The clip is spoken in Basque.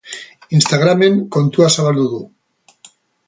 Instagramen kontua zabaldu du.